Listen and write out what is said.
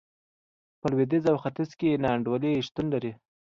په لوېدیځ او ختیځ کې نا انډولي شتون لري.